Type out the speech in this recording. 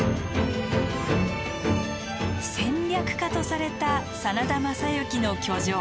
戦略家とされた真田昌幸の居城。